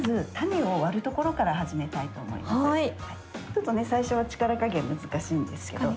ちょっとね最初は力加減難しいんですけど。